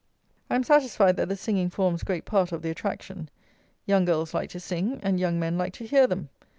I am satisfied that the singing forms great part of the attraction. Young girls like to sing; and young men like to hear them.